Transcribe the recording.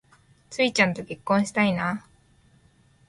ツウィちゃんと結婚したいな